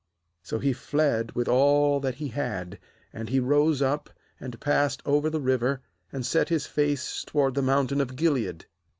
aSo he fled with all that he had; and he rose up, and passed over athe River, and set his face toward the mountain of Gilead.